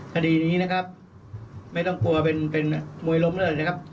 คดีนี้นะครับไม่ต้องกลัวเป็นมวยล้มเลิศเลยครับ